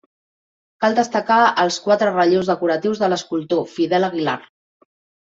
Cal destacar els quatre relleus decoratius de l'escultor Fidel Aguilar.